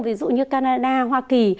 ví dụ như canada hoa kỳ